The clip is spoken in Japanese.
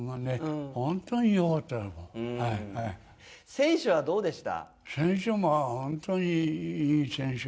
選手はどうでした？